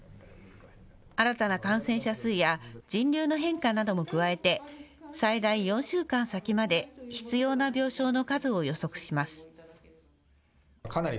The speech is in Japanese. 新たな感染者数や人流の変化なども加えて最大４週間先まで必要な病床の数を予測します。